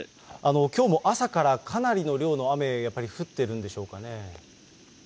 きょうも朝からかなりの量の雨、やっぱり降ってるんでしょうかね。